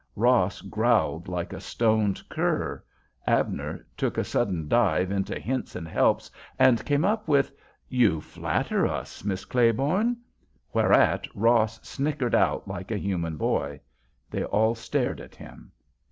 Ross growled like a stoned cur. Abner took a sudden dive into Hints and Helps, and came up with, "You flatter us, Miss Claiborne," whereat Ross snickered out like a human boy. They all stared at him.